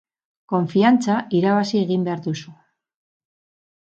Konfiantza, irabazi egin behar duzu.